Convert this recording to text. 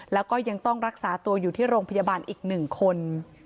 แล้วก็ยังต้องรักษาตัวอยู่ที่โรงพยาบาลอีก๑คน